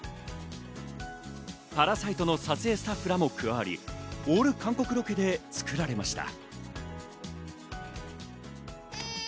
『パラサイト』の撮影スタッフらも加わり、オール韓国ロケで作られました。